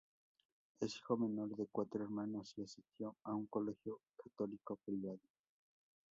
Es el hijo menor de cuatro hermanos y asistió a un colegio católico privado.